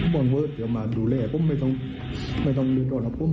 ผมไม่รู้แต่ว่าเหมือนกัน